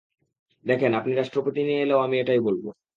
দেখেন, আপনি রাষ্ট্রপতি নিয়ে এলেও আমি এটাই বলবো।